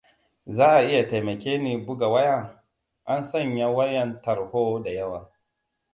Za a iya taimake ni buga waya? An sanya wayan tarho da yawa.